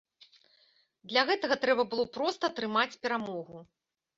Для гэтага трэба было проста атрымаць перамогу.